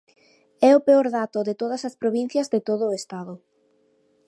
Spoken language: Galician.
É o peor dato de todas as provincias de todo o Estado.